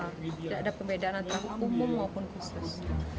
tidak ada pembedaan antara umum maupun khusus